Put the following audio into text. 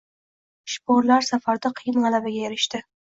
Shporlar safarda qiyin g‘alabaga erishdi